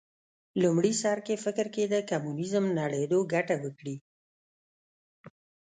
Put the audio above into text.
لومړي سر کې فکر کېده کمونیزم نړېدو ګټه وکړي